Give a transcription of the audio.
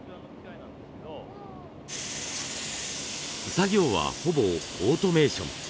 作業はほぼオートメーション。